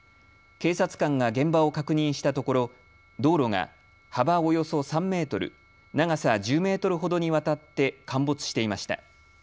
警察官が現場を確認したところ、道路が幅およそ３メートル、長さ１０メートルほどにわたって陥没していました。